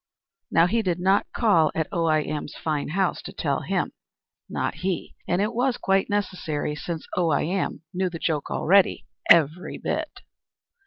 Now he did not call at Oh I Am's fine house to tell him, not he! And it was quite unnecessary, since Oh I Am knew the joke already, every bit.